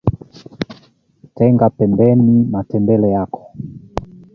Tenga pembeni matembele yako